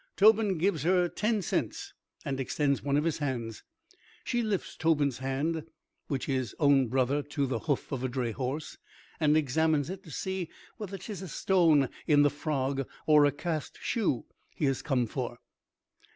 Tobin gives her ten cents and extends one of his hands. She lifts Tobin's hand, which is own brother to the hoof of a drayhorse, and examines it to see whether 'tis a stone in the frog or a cast shoe he has come for.